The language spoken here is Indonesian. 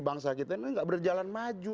bangsa kita ini gak berjalan maju